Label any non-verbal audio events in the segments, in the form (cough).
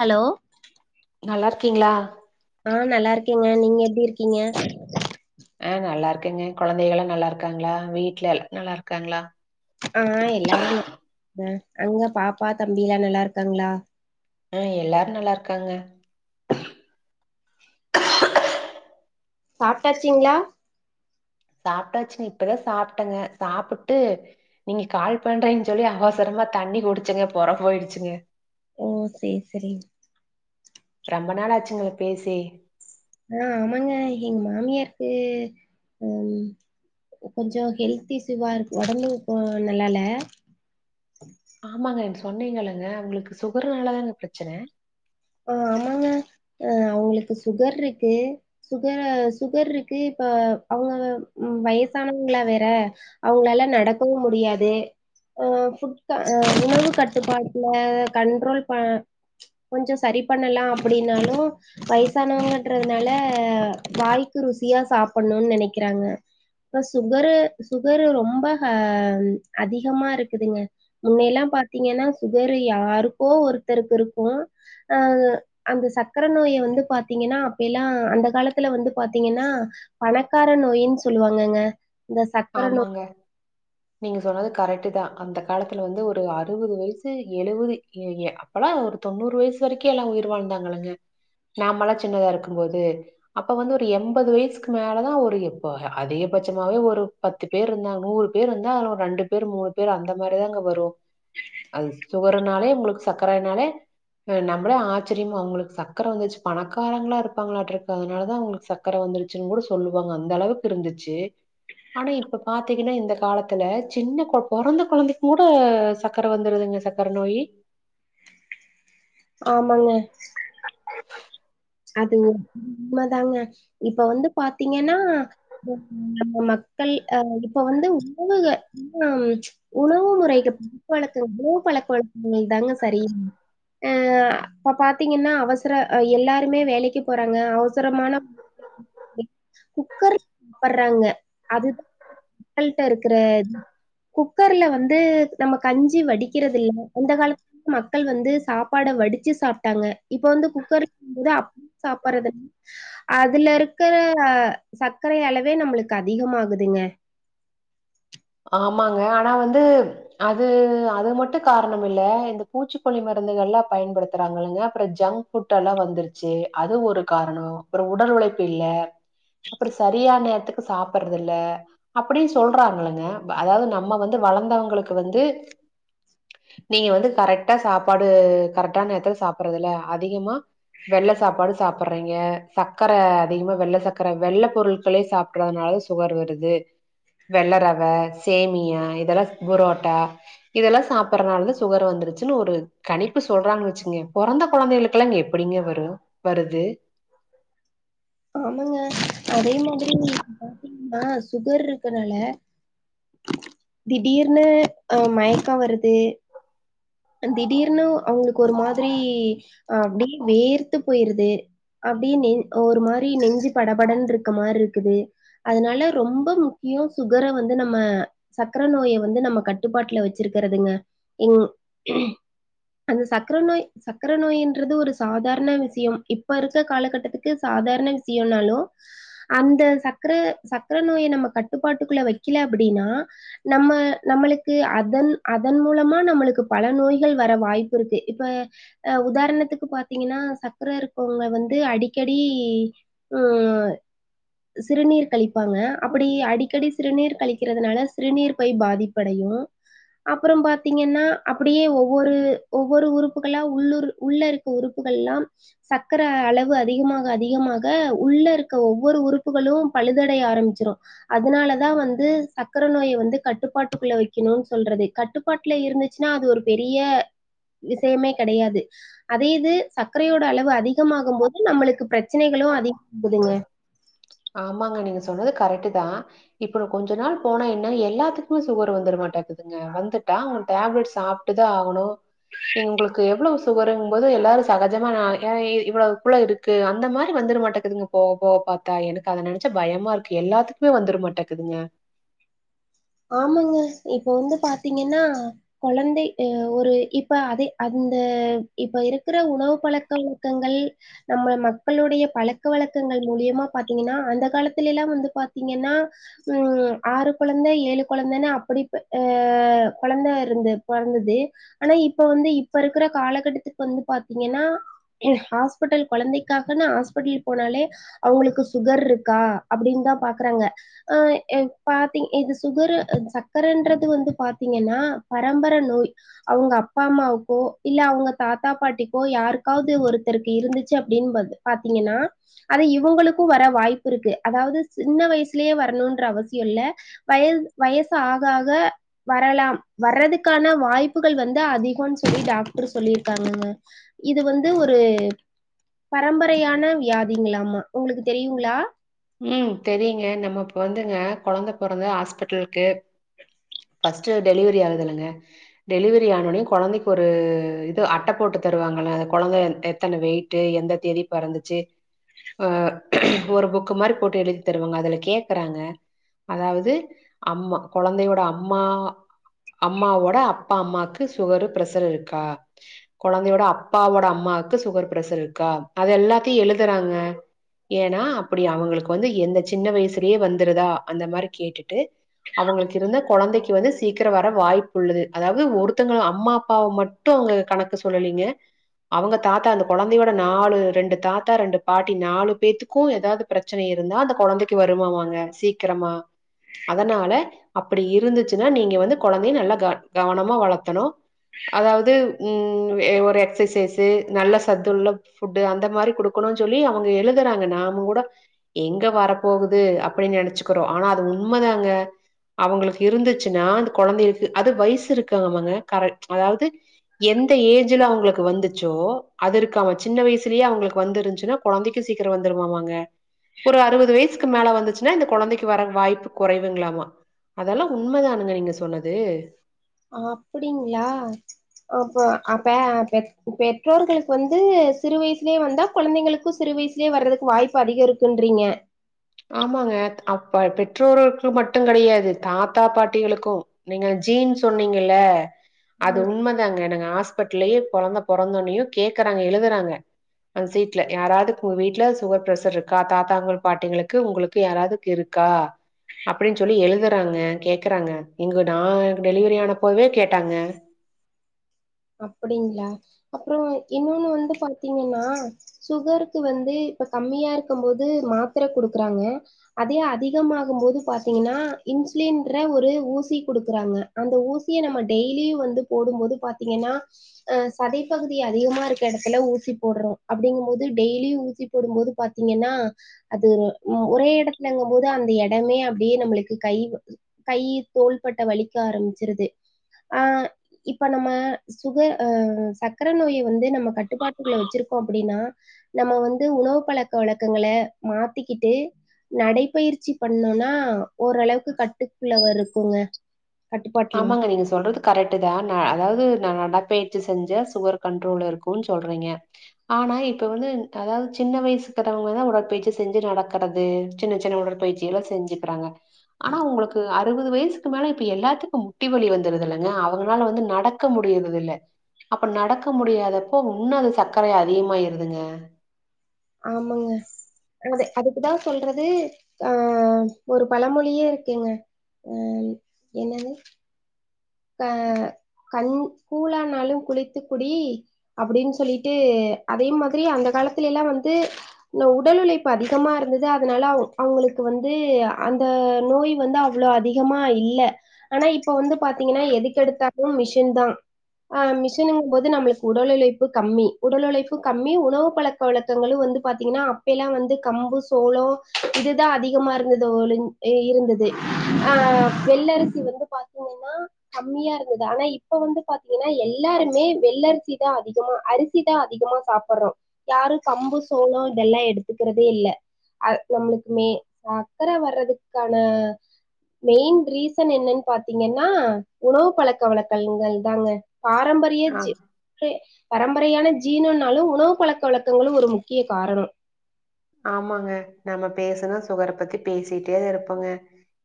hello நல்லா இருக்கீங்களா ஆ நல்லா இருக்கேங்க நீங்க எப்டி இருக்கீங்க ஆ நல்லா இருக்கங்க கொழந்தைகளா நல்லா இருக்காங்களா வீட்டுல எல் நல்லா இருக்காங்களா ஆ எல்லாரு அ அங்க பாப்பா தம்பில்லா நல்லா இருக்காங்களா ஆ எல்லாரு நல்லா இருக்காங்க சாப்ட்டாச்சிங்களா சாப்ட்டாச்சு இப்பதா சாப்ட்டங்க சாப்பிட்டு நீங்க கால் பண்றீன்னு சொல்லி அவசரமா தண்ணி குடிச்சுங்க பொற போயிடுச்சுங்கெ ஓ சேரி செரி ரெம்ப நாளாச்சுங்க பேசி ஆ ஆமாங்க எங்க மாமியார்க்கு அம் கொஞ்சோ ஹெல்த் இஷ்யூவா இருக்கு ஒடம்பு நல்லால்ல ஆமாங்க என்ட சொன்னீங்கல்லங்க அவுங்களுக்கு சுகர்னாலாதாங்க பிரச்சனை ஆ ஆமாங்க ஆ அவங்களுக்கு சுகர் இருக்கு சுக சுகர் இருக்கு இப்ப அவங்க வயசானவங்களா வேற அவங்களாலா நடக்கவு முடியாது அ புட் அ உணவு கட்டுப்பாட்டுல கண்ட்ரோல் ப கொஞ்சோ சரி பண்ணலா அப்டினாலு வயசானவங்கன்றதுனால வாய்க்கு ருசியா சாப்டணுனு நெனைக்கிறாங்க இப்ப சுகரு சுகரு ரொம்பஹ அதிகமா இருக்குதுங்க முன்னையல்லா பாத்தீங்கன்னா சுகர் யாருக்கோ ஒருத்தருக்கு இருக்கு அ அந்த சக்கரை நோயி வந்து பாத்தீங்கன்னா அப்பயலா அந்த காலத்துல வந்து பாத்தீங்கன்னா பணக்கார நோயின்னு சொல்லுவாங்கங்க இந்த சக்கர நோ ஆமாங்க நீங்க சொன்னது கரெக்ட் தா அந்த காலத்துல வந்து ஒரு அறுபது வயசு எழுபது எ எ அப்பல்லா ஒரு தொண்ணூறு வயசு வரைக்கு எல்லா உயிர் வாழ்ந்தாங்கல்லங்க நாமல்லா சின்னதா இருக்கு போது அப்ப வந்து ஒரு எம்பது வயசுக்கு மேலதா ஒரு இப்போ அதிகபட்சமாவே ஒரு பத்து பேர் இருந்தாங்க நூறு பேர் இருந்தா அதுல ரெண்டு பேர் மூணு பேர் அந்த மாரிதாங்க வரு அது சுகருனாலே உங்களுக்கு சர்க்கரனாலே நம்மளே ஆச்சரியமா அவங்களுக்கு சக்கர வந்துருச்சு பணக்காரங்களா இருப்பாங்களாடுருக்கு அதனால தா அவங்களுக்கு சக் கர வந்துருச்சுன்னு கூட சொல்லுவாங்க அந்த அளவுக்கு இருந்துச்சு ஆனா இப்ப பாத்தீங்கன்னா இந்த காலத்துல சின்ன பொறந்த குழந்தைக்கு கூட சக்கர வந்துருதுங்க சக் கர நோயி ஆமாங்க அது மதாங்க இப்ப வந்து பாத்தீங்கன்னா நம்ம மக்கள் அ இப்ப வந்து உணவுகன்ன உணவு முறைக்கு பழக்க வழக்க உணவு பழக்க வழக்கங்கள் தாங்க சரி அ இப்ப பாத்தீங்கன்னா அவசர எல்லாருமே வேலைக்கு போறாங்க அவசரமான குக்கரு (inaudible) சாப்பட்றாங்க அதுதா மக்கள்ட்ட இருக்குற குக்கர்ல வந்து நம்ம கஞ்சி வடிக்கிறது இல்ல அந்த காலத்துலந்து மக்கள் வந்து சாப் பாட வடிச்சி சாப்டாங்க இப்ப வந்து குக்கர்ங்கும்போது அப்ப (inaudible) சாப்பட்றது அதுல இருக்கிற சர்க்கரை அளவே நம்மளுக்கு அதிகமாகுதுங்க ஆமாங்க ஆனா வந்து அது அது மட்டு காரணம் இல்ல இந்த பூச்சிக்கொல்லி மருந்துகல்லா பயன்படுத்துறாங்கள்ளங்க அப்பற ஜங்க் ஃபுட் எல்லா வந்துருச்சு அது ஒரு காரணோ அப்புற உடல் உழைப்பு இல்ல அப்புற சரியான நேரத்துக்கு சாப்பட்றதில்ல அப்டின்னு சொல்றாங்கள்லங்க அதாவது நம்ம வந்து வளர்ந்தவுங்களுக்கு வந்து நீங்க வந்து கரெக்டா சாப்பாடு கரெக்டான் நேரத்துல சாப்பறதுல்ல அதிகமா வெள்ள சாப்பாடு சாப்பறீங்க சக்கர அதிகமா வெள்ள சக்கர வெள்ள பொருட்களே சாப் றதுனால சுகர் வருது வெள்ள ரவ சேமியா இதெல்லா புரோட்டா இதெல்லா சாப்பறனால தா சுகர் வந்துருச்சு ஒரு கணிப்பு சொல்றாங் வச்சுங்க பொறந்த கொழந்தைகளுகுலா இங்க எப்டிங்க வரும் வருது ஆமாங்க அதே மாரி பாத்தீங்னா சுகர் இருக்கனால திடீர்னு அ மயக்கம் வருது திடீர்னு அவுங்களுக்கு ஒரு மாரி அப்டி வேர்த்து போயிருது அப்டியே நெ ஒரு மாரி நெஞ்சு படபடன்ருக்க மாரி இருக்குது அதுனால ரொம்பொ முக்கியோ சுகர வந்து நம்ம சக்கர நோய வந்து நம்ம கட்டுப்பாட்டுல வச்சிருக்கிறதுங்க இங் அந்த சக்கர நோய் சக்கர நோய்ன்றது ஒரு சாதாரண விஷ்யம் இப்ப இருக்க காலகட்டத்துக் கு சாதாரண விஷ்யோனாலு அந்த சக்கர சக்கர நோய நம்ம கட்டுப்பாட்டுக்குள்ள வைக்கல அப்டினா நம்ம நம்மளுக்கு அதன் அதன் மூலமா நம்மளுக்கு பல நோய்கள் வர வாய்ப்பு இருக்கு இப்ப அ உதாரணத்துக்கு பாத்தீங்கன்னா சக்கர இருக்கவுங்க வந்து அடிக்கடி ம் சிறுநீர் கழிப்பாங்க அப்டி அடிக்கடி சிறுநீர் கழிக்கிறதுனால சிறுநீர் பை பாதிப் படையு அப்புறம் பாத்தீங்கன்னா அப்டியே ஒவ்வொரு ஒவ்வொரு உறுப்புகளா உள்ளூர் உள்ள இருக்கற உறுப்புகள்லா சக்கர அளவு அதிகமாக அதிகமாக உள்ள இருக்க ஒவ்வொரு உறுப்புகளு பழுதடைய ஆரம்பிச்சிரு அதுனாலதா வந்து சக்கர நோய வந்து கட்டுப்பாட்டுக்குள்ள வைக்கணுன் சொல்றது கட்டுப்பாட்ல இருந்துச் சுன்னா அது ஒரு பெரிய விஷயமே கெடையாது அதே இது சக்கரையோட அளவு அதிகமாகும் போது நம்மளுக்கு பிரச்சனைகளு அதிகம் இருக்குதுங்க ஆமாங்க நீங்க சொன்னது கரெட்டு தா இப்ப கொஞ்ச நாள் போனா என்ன எல்லாத்துக்குமே சுகர் வந்துரு மாட்டேக்குதுங்க வந்துட்டா அவன் டேப்லெட் சாப் ட்டுதா ஆகணு எங்ளுக்கு எவ்ளோ சுகருங்கு போது எல்லாரு சகஜமா அ இவ்ளோக்குள்ள இருக் கு அந்த மாரி வந்துர மாட்டேக்குதுங்க போ போ பா கா எனக்கு அத நெனைச்சா பயமா இருக்கு எல்லாத்துக்குமே வந்துருமாட்டேக்குதுங்க ஆமாங்க இப்ப வந்து பாத்தீங்கன்னா கொழந்தை அ ஒரு இப்ப அத அந்த இப்ப இருக்கிற உணவு பழக்க வழக்கங்கள் நம்ம மக்களுடைய பழக்க வழக்கங்கள் மூலியமா பாத்தீங்கன்னா அந்த காலத்துல எல்லா வந்து பாத்தீங்கன்னா ம் ஆறு கொழந்தை ஏழு கொழந்தன்னு அப்டி ஆ கொழந்த இருந்த பொறந்தது ஆனா இப்ப வந்து இப்ப இருக்கிற காலகட்டத்துக்கு வந்து பாத்தீங்கன்னா ஹாஸ்பிட்டல் கொழந்தைக்காகன்னு ஹாஸ்பிட்டல் போனாலே அவுங்களுக்கு சுகர் இருக்கா அப்டின்னு தா பாக்குறாங்க ஆ பாத்தீங்க இது சுகரு ஆ சக்கரன்றது வந்து பாத்தீங்கன்னா பரம்பர நோய் அவுங்க அப்பா அம்மாவுக்கோ இல்ல அவுங்க தாத்தா பாட்டிக்கோ யாருக்காவது ஒருத்தருக்கு இருந்துச்சு அப்டின்னு பாத் பாத்தீங்கன்னா அத இவங்களுக்கு வர வாய்ப்பு இருக்கு அதாவது சின்ன வயசுலே வரணுன்ற அவசிய இல்ல வயத் வயசு ஆக ஆக வரலாம் வர்றதுக்கான வாய்ப்புகள் வந்து அதிகன் சொல்லி டாக்டர் சொல்லிருக்காங்கங்க இது வந்து ஒரு பரம்பரையான வியாதிங்களாமா உங்களுக்கு தெரியுங்களா ம் தெரியுங்க நம்ம இப்ப வந்துங்க கொழந்த பொறந்த ஹாஸ்பிட்டல்க்கு ஃபஸ்ட்டு டெலிவரி ஆகுது இல்லங்க டெலிவரி ஆனோன்னே கொழந்தைக்கு ஒரு இது அட்ட போட்டு தருவாங்கள அந்த கொழந்த எத்தன வெயிட் டு எந்த தேதி பெறந்துச்சு ஆ ஒரு புக் கு மாரி போட்டு எழுதி தருவாங்க அதுல கேக்கறாங்க அதாவது அம்மா கொழந்தையோட அம்மா அம்மாவோட அப்பா அம்மாக்கு சுகரு பிரஷர் இருக்கா கொழந்தையோட அப்பாவோட அம்மாவுக்கு சுகர் ப்ரஷர் இருக்கா அது எல்லாத்தையு எழுதுறாங்க ஏன்னா அப்டி அவுங்களுக்கு வந்து எந்த சின்ன வயசுலே வந்துருதா அந்த மாரி கேட்டுட்டு அவுங்களுக்கு இருந்தா கொழந்தைக்கு வந்து சீக்கிர வர வாய்ப்பு உள்ளது அதாவது ஒருத்தங்களு அம்மா அப்பாவ மட் டும் அவுங்க கணக்கு சொல்லலீங்க அவங்க தாத்தா அந்த கொழந்தயோட நாலு ரெண்டு தாத்தா ரெண்டு பாட்டி நாலு பேர்த்துக்கும் ஏதாது பிரச்சன இருந்தா அந்த கொழந்தைக்கு வருமாமாங்க சீக்ரமா அதனால அப்டி இருந்துச்சுன்னா நீங்க வந்து கொழந்தைய நல்லா க கவனமா வளத்தணு அதாவது ம் ஒரு எக்சசைஸு நல்ல சத்துள்ள ஃபுட்டு் அந்த மாரி குடுக்கணு சொல்லி அவுங்க எழுதுறாங்க நாங்க கூட எங்க வரப்போகுது அப்டின்னு நெனைச்சுக்குறோ ஆனா அது உண்மதாங்க அவுங்களுக்கு இருந்துச்சுன்னா அந்த கொழந்தைக்கு அது வயசு இருக்காமாங்க கர அதாவது எந்த ஏஜ்ல அவுங்களுக்கு வந்துச்சோ அது இருக்காம சின்ன வயசுலே அவுங்களுக்கு வந்துருந்துச்சுன்னா கொழந்தைக்கு சீக்கிர வந்துருமாமாங்க ஒரு அறுவது வயசுக்கு மேல வந்துச்சு ன்னா அந்த கொழந்தைக்கு வர வாய்ப்பு குறைவுங்களாமா அதெல்லா உண்ம தானுங்க நீங்க சொன்னது ஆப்டிங்ளா அப்போ அப்ப பெ பெற்றோர்களுக்கு வந்து சிறு வயசுலே வந்தா கொழந்தைங்களுக்கு சிறு வயசு லே வர்றதுக்கு வாய்ப்பு அதிக இருக்குன்றீங்க ஆமாங்க அப்ப பெற்றோர்களுக்கு மட்டு கடையாது தாத்தா பாட்டிகளுக்கு நீங்க ஜீன் சொன்னீங்கல்ல அது உண்ம தாங்க நாங்க ஹாஸ்பிட்டலயே கொழந்த பொறந்தன்னையே கேக்குறாங்க எழுதுறாங்க அந்த சீட்ல யாராது உங்க வீட்ல சுகர் பிர்ஷர் இருக்கா தாத்தாங்களுக்கு பாட்டிங்களுக் கு உங்களுக்கு யாராதுக்கு இருக்கா அப்டின்னு சொல்லி எழுதுறாங்க கேக்குறாங்க இங்க நா டெலிவிரி ஆனப்போவே கேட்டாங்க அப்டிங்களா அப்பற இன்னொன்னு வந்து பாத்தீங்கன்னா சுகருக்கு வந்து இப்ப கம்மியா இருக்கும் போது மாத்திர குடுக்குறாங்க அதே அதிகமாகும் போது பாத்தீங்கன்னா இன்சுலின்ற ஒரு ஊசி குடுக்குறாங்க அந்த ஊசிய நம்ம டெய்லியு வந்து போடும்போது பாத்தீங்கனா அ சதைப்பகுதி அதிகமா இருக்க எடத்துல ஊசி போடுறோ அப்டிங்கும் போது டெய்லியு ஊசி போடும்போது பாத்திங்கன்னா அது ஒரே எடத்துலங்கம் போது அந்த எடமே அப்டியே நம்ளுக்கு கை கை தோள்பட்ட வலிக்க ஆரம்பிச்சுருது ஆ இப்ப நம்ம சுக அ சக்கர நோய வந்து நம்ம கட்டுப்பாட்டுக்குள்ள வச்சிருக்கோ அப்டின்னா நம்ம வந்து உணவு பழக்க வழக்கங்கள மாத்திக்கிட்டு நடைப்யிற்சி பண்ணோனா ஓரளவுக்கு கட்டுக்குள்ள வருகுங்க ஆமாங்க நீங்க சொல்றது கரெட்டு தா அதாவ்து நா நடப்பயிற்சி செஞ்செ சுகர் கண்ட்ரோல்ல இருக்குன் சொல்றீங்க ஆனா இப்ப வந்து அதாவ்து சின்ன வயசுக்கறவங்கதா உடற்பயிற்சி செஞ்சு நடக்கறது சின்ன சின்ன உடற்பயிற்சி சியலா செஞ்சுக்குறாங்க ஆனா உங்களுக்கு அறுவது வயசுக்கு மேல இப்ப எல்லாத்து க்கு முட்டி வலி வந்துருதுல்லங்க அவுங்களால வந்து நடக்க முடிய்றது இல்ல அப்ப நடக்க முடியாதப்போ இன்னொ அது சக்கரை அதிகமாயிருதுங்க ஆமாங்க அது அதுக்குதா சொல்றது ஆ ஒரு பழமொழியே இருக்கெங்க அ என்னனு அ கண் கூழானாலு குளித்து குடி அப்டின் சொல்லிட்டு அதே மாதுரி அந்த காலத்துல எல்லா வந்து (unintelligible) உடல் உழைப்பு அதிகமா இருந்தது அதுனால அவ் அவுங்களுக்கு வந்து அந்த நோய் வந்து அவ் வ்ளோ அதிகமா இல்ல ஆனா இப்ப வந்து பாத்திங்கன்னா எதுக்கெடுத்தாலு மிஷின் தா ஆ மிஷுனுங்கும் போது நம்ளுக் உடல் உழைப்பு கம்மி உடல் உழைப்பு கம்மி உணவு பழக் பழக்க வளக்கங்களு வந்து பாத்திங்கன்னா அப்பெய்லா வந்து கம்பு சோளொ இதுதா அதிகமா இருந்தது ஒளுஞ் அ இருந்தது ஆ வெள்ளரிசி வந்து பாத்திங்கன்னா கம்மியா இருந்தது ஆனா இப்ப வந்து பாத்திங்கன்னா எல்லாருமே வெள்ளரிசி தா அதிகமா அரி சிதா அதிகமா சாப்பட்றோ யாரும் கம்பு சோளொ இதெல்லா எடுத்துக்குறதே இல்ல அ நம்மளுக்குமே அக்கர வர்றதுக்கான மெய்ன் ரீசன் என்னன்னு பாத்திங்கன்னா உணவு பழக்க வழக்கங்கள் தாங்க பாரம்பரிய ஆ, ச்சி (unintelligible) பரம்பரையான ஜீனுனாலு உணவு பழக்க வழக்கங்களும் ஒரு முக்கிய காரணொ ஆமாங்க நம்ம பேசுனா சுகர பத்தி பேசிட்டே தெ இருப்போங்க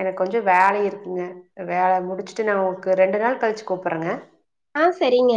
எனக்கு கொஞ்ச வேலை இருக்குங்க வேலை முடிச்சுட்டு நா ஒங்கு ரெண்டு நாள் கழுச்சு கூப்புட்றெங்க ஆ செரிங்க